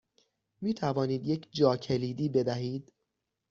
می توانید یک جاکلیدی بدهید؟